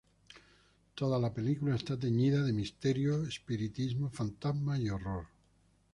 Toda la película está teñida de misterio, espiritismo, fantasmas y horror.